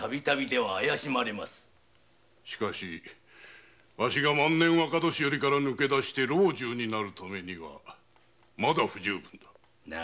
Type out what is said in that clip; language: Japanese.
しかしワシが万年若年寄りから抜け出し老中になるためにはまだ不十分だ。